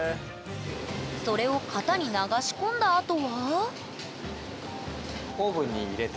それを型に流し込んだあとは？